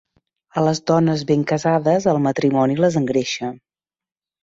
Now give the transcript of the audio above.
A les dones ben casades el matrimoni les engreixa